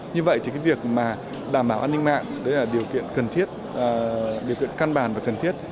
như vậy thì việc đảm bảo an ninh mạng điều kiện cần thiết điều kiện căn bàn và cần thiết